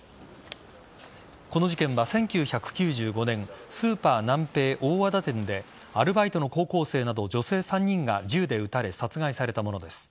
この事件は１９９５年スーパーナンペイ大和田店でアルバイトの高校生など女性３人が銃で撃たれ殺害されたものです。